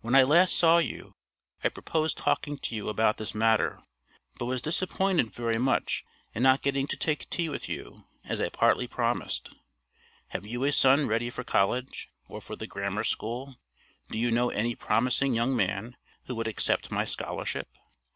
When I last saw you I purposed talking to you about this matter, but was disappointed very much in not getting to take tea with you, as I partly promised. Have you a son ready for college? or for the grammar school? Do you know any promising young man who would accept my scholarship?